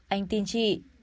anh tin chị